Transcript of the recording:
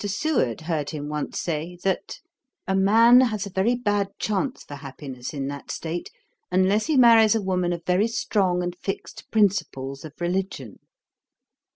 Seward heard him once say, that 'a man has a very bad chance for happiness in that state, unless he marries a woman of very strong and fixed principles of religion.'